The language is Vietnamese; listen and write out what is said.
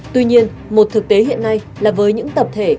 tuy nhiên một thực tế hiện nay là với những tập thể